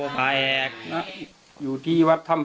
ข้าพเจ้านางสาวสุภัณฑ์หลาโภ